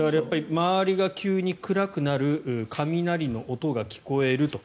周りが急に暗くなる雷の音が聞こえると。